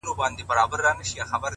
• د ناروا زوی نه یم ـ